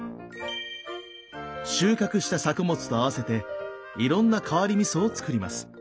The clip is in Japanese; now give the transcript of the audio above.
収穫した作物と合わせていろんな変わりみそをつくります。